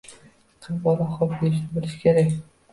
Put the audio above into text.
Qiz bola xoʻp deyishni bilishi kerak